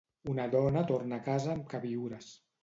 Una dona torna a casa amb queviures.